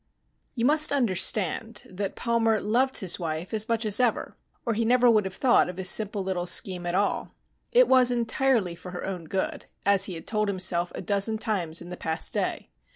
You must understand that Palmer loved his wife as much as ever, or he would never have thought of his simple little scheme at all. It was entirely for her own good, as he had told himself a dozen times in the past day.